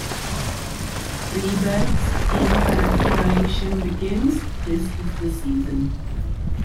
Freberg's in-character narration begins, This is the season.